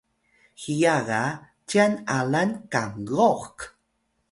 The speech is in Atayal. hiya ga cyan alan kanggok